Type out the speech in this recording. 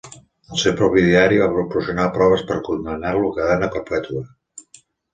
El seu propi diari va proporcionar proves per condemnar-lo a cadena perpètua.